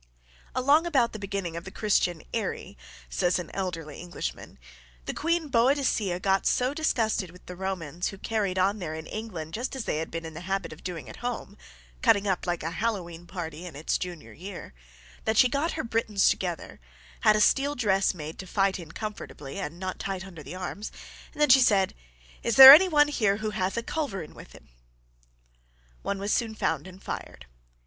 Along about the beginning of the Christian "Erie," says an elderly Englishman, the Queen Boadicea got so disgusted with the Romans who carried on there in England just as they had been in the habit of doing at home, cutting up like a hallowe'en party in its junior year, that she got her Britons together, had a steel dress made to fight in comfortably and not tight under the arms, then she said, "Is there any one here who hath a culverin with him?" One was soon found and fired.